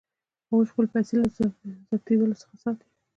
هغوی خپلې پیسې له ضبظېدلو څخه ساتي.